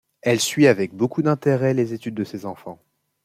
Elle suit avec beaucoup d’intérêt les études de ses enfants.